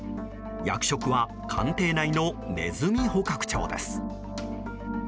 役職は官邸内のネズミ捕獲長です。